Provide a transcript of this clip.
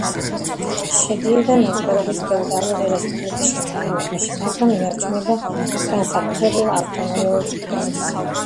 შედიოდა ნოვგოროდის ფეოდალური რესპუბლიკის შემადგენლობაში, მაგრამ ინარჩუნებდა განსაკუთრებულ ავტონომიურ უფლებებს.